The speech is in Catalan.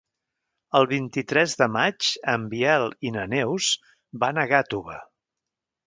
El vint-i-tres de maig en Biel i na Neus van a Gàtova.